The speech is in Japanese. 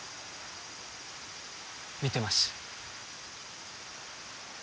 見てます。